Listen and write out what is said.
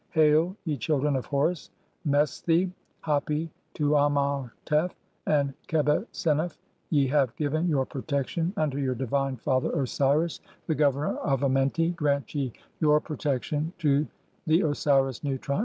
Hail, ye children of Horus, "Mesthi, Hapi, Tuamautef (18) and Qebhsennuf, ye have given "your protection unto your divine Father Osiris, the governor of "Amenti, grant ye your protection to the Osiris Nu, triumphant.